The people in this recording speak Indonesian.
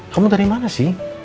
kamu dari mana sih